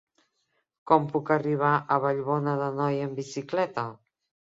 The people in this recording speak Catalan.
Com puc arribar a Vallbona d'Anoia amb bicicleta?